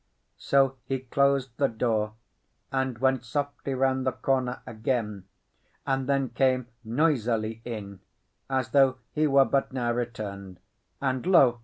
So he closed the door, and went softly round the corner again, and then came noisily in, as though he were but now returned. And, lo!